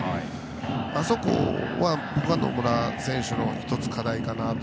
あそこは野村選手の１つ課題かなと。